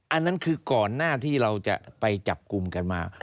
อันนั้นคือก่อนหน้าที่เราจะไปจับกลุ่มกันมา